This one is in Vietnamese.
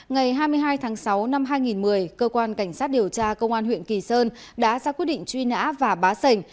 ngày hai mươi hai tháng sáu năm hai nghìn một mươi cơ quan cảnh sát điều tra công an huyện kỳ sơn đã ra quyết định truy nã và bá sảnh